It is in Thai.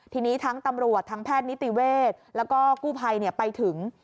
ทีนี้ทั้งตำรวจทั้งแพทย์นิติเวศแล้วก็กู้ภัยไปถึง